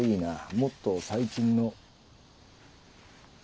もっと最近の。